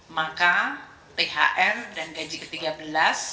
maka thr dan gaji ke tiga belas